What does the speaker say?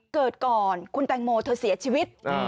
เกิดก่อนคุณแตงโมเธอเสียชีวิต